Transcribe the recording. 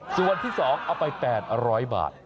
ส่วนที่๒เอาไป๘๐๐บาท